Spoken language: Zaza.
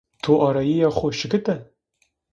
To arayîya xo şikite?